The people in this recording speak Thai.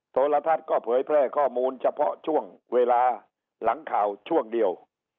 โทรทัศน์ก็เผยแพร่ข้อมูลเฉพาะช่วงเวลาหลังข่าวช่วงเดียว